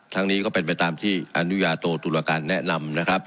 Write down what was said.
นี้ก็เป็นไปตามที่อนุญาโตตุรการแนะนำนะครับ